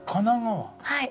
はい。